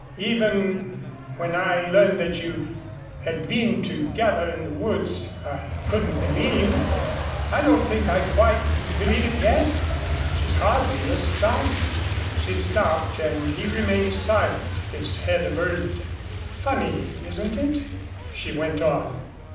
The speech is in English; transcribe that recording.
Even when I learned that you had been together in the woods, I couldn't believe I don't think I quite believe it yet. She's hardly your style " She stopped and he remained silent, his head averted. "Funny, isn't it?" she went on.